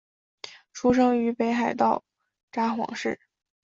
出生于北海道札幌市。